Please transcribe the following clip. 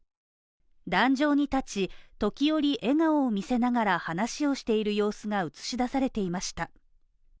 壇上に立ち、時折笑顔を見せながら話をしている様子が映し出されていました。